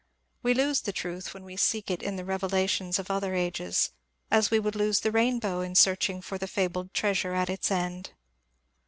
We lose the truth when we seek in it the revelations of other ages, 446 MONCURE DANIEL CONWAY as we would lose the rainbow in searching for the fabled trea sure at its end.